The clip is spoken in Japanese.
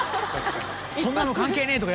「そんなの関係ねえ！」とか。